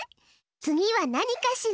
つぎはなにかしら？